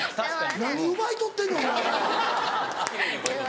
何奪い取ってんのお前は。